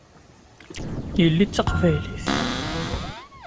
Yelli d taqbaylit.